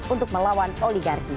untuk melawan oligarki